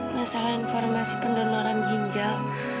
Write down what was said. masalah informasi pendonoran ginjal